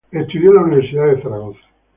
Estudió en la Universidad de Zaragoza.